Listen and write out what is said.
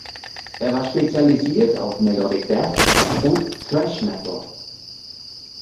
Es war spezialisiert auf (Melodic) Death und Thrash Metal.